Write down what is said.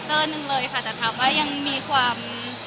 แต่ทำว่ายังมีความ